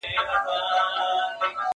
زه مکتب نه خلاصیږم!